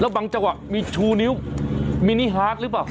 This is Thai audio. แล้วบางเวลามีชูนิ้วมินิฮาร์ดหรือเปล่า